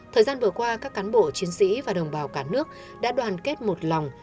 thời gian vừa qua các cán bộ chiến sĩ và đồng bào cả nước đã đoàn kết một lòng